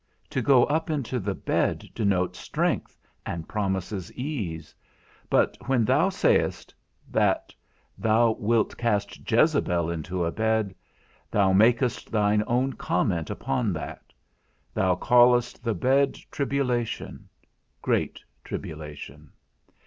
To go up into the bed denotes strength, and promises ease; but when thou sayest, that thou wilt cast Jezebel into a bed, thou makest thine own comment upon that; thou callest the bed tribulation, great tribulation.